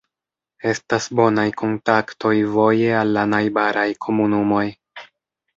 Estas bonaj kontaktoj voje al la najbaraj komunumoj.